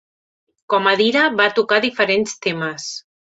Comadira va tocar diferents temes.